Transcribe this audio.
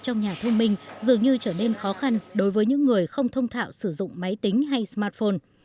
trong nhà thông minh dường như trở nên khó khăn đối với những người không thông thạo sử dụng máy tính hay smartphone